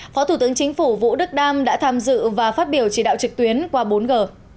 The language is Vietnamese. phó thủ tướng chính phủ vũ đức đam đã tham dự và phát biểu chỉ đạo trực tuyến qua bốn g